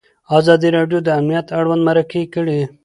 ازادي راډیو د امنیت اړوند مرکې کړي.